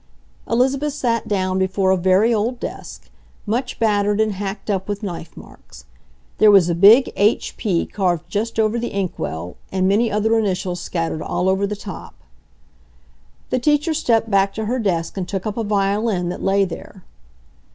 Elizabeth sat down before a very old desk, much battered and hacked up with knife marks. There was a big H. P. carved just over the inkwell, and many other initials scattered all over the top. The teacher stepped back to her desk and took up a violin that lay there.